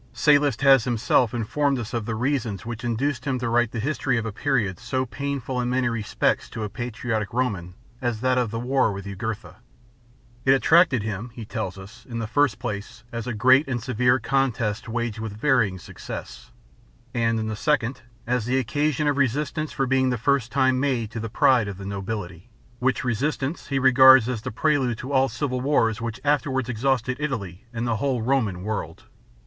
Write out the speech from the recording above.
Sallust has himself informed us of the reasons which induced him to write the history of a period so painful in many respects to a patriotic Roman as that of the war with Jugurtha. It attracted him, he tells us, in the first place, "as a great and severe contest waged with varying success ;" and, in the second, as " the occasion of resistance being for the first time made to the pride of the nobility," which resistance he regards as the prelude to all the civil wars which afterwards exhausted Italy and the whole Roman world.